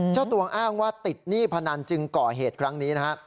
เจ้าตัวอ้างว่าติดหนี้พนันจึงก่อเหตุครั้งนี้นะฮะ